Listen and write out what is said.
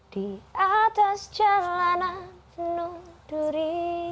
di atas jalanan penuh duri